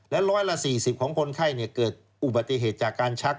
และ๑๔๐ของคนไข้เกิดอุบัติเหตุจากการชัก